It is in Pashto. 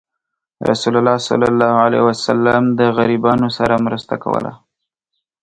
رسول الله صلى الله عليه وسلم د غریبانو سره مرسته کوله.